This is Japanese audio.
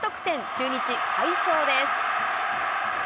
中日、快勝です。